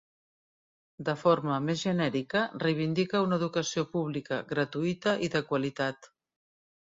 De forma més genèrica reivindica una educació pública, gratuïta i de qualitat.